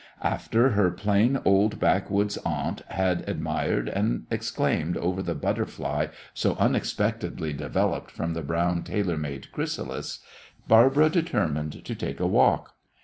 After her plain old backwoods aunt had admired and exclaimed over the butterfly so unexpectedly developed from the brown tailor made chrysalis, Barbara determined to take a walk.